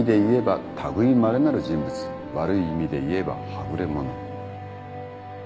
悪い意味でいえばはぐれ者。